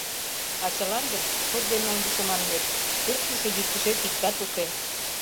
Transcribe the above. А чылан гын, шот дене ончышо манмет, пукшышо-йӱктышет иктат уке.